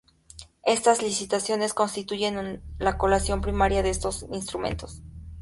Estas licitaciones constituyen la colocación primaria de estos instrumentos.